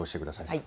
はい。